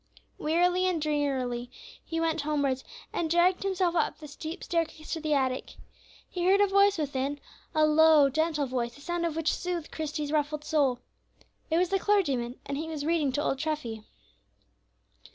Wearily and drearily he went homewards, and dragged himself up the steep staircase to the attic. He heard a voice within, a low, gentle voice, the sound of which soothed Christie's ruffled soul. It was the clergyman, and he was reading to old Treffy.